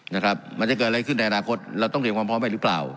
นะครับมันจะเกิดอะไรขึ้นในอนาคตเราต้องเรียนความพร้อมไปหรือเปล่า